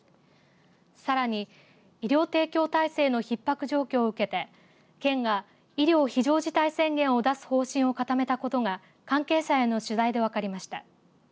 さらに、医療提供体制のひっ迫状況を受けて県が医療非常事態宣言を出す方針を固めたことが関係者への取材で分かりました。